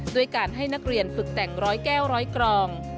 ด้วยการให้นักเรียนฝึกแต่ง๑๐๐แก้วร้อยกรอง